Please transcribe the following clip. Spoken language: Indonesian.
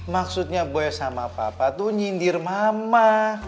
maksudnya boy sama papa tuh nyindir mama